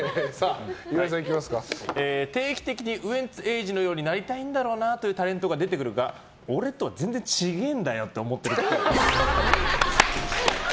定期的にウエンツ瑛士のようになりたいだろうなというタレントが出てくるが俺とは全然ちげーんだよ！と思ってるっぽい。